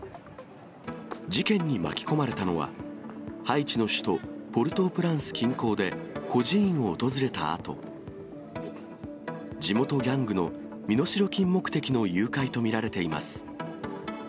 事件に巻き込まれたのは、ハイチの首都ポルトープランス近郊で孤児院を訪れたあと、地元ギャングの身代金目的の誘拐と見られています。